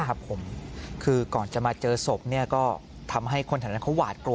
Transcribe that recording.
ครับผมคือก่อนจะมาเจอศพเนี่ยก็ทำให้คนแถวนั้นเขาหวาดกลัว